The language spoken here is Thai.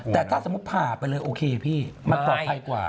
แต่ถ้าสมมุติผ่าไปเลยโอเคพี่มันปลอดภัยกว่า